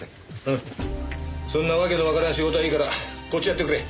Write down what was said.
うんそんなわけのわからん仕事はいいからこっちやってくれ。